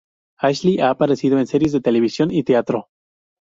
Ashley ha aparecido en series de televisión y teatro.